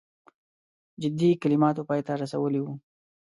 جدي کلماتو پای ته رسولی وو.